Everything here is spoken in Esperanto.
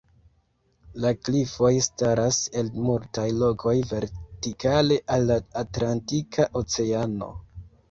La klifoj staras el multaj lokoj vertikale al la Atlantika oceano.